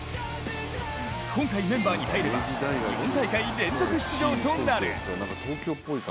今回メンバーに入れば４大会連続出場となる。